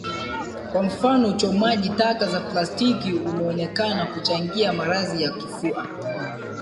Kwa mfano uchomaji taka za plastiki umeonekana kuchangia maradhi ya kifua